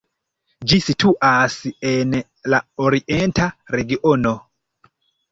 Ĝi situas en la Orienta regiono.